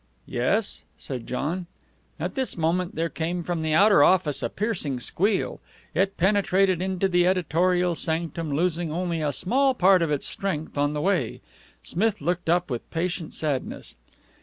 "Yes?" said John. At this moment there came from the outer office a piercing squeal. It penetrated into the editorial sanctum, losing only a small part of its strength on the way. Smith looked up with patient sadness.